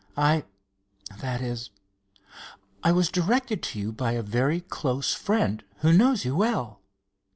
"I—that is, I was directed to you by a very close friend, who knows you well."